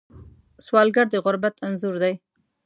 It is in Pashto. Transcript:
سوالګر د غربت انځور دی